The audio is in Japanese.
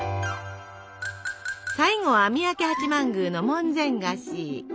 最後は三宅八幡宮の門前菓子。